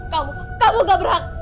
kamu kamu gak berhak